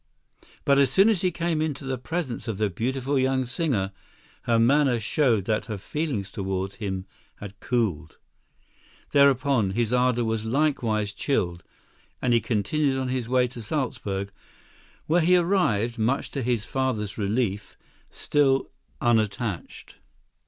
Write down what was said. But as soon as he came into the presence of the beautiful young singer her manner showed that her feelings toward him had cooled. Thereupon, his ardor was likewise chilled, and he continued on his way to Salzburg, where he arrived, much to his father's relief, still "unattached."